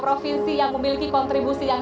provinsi yang memiliki kontribusi yang